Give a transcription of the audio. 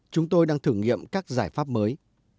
chúng tôi đang thử nghiệm các giải pháp mới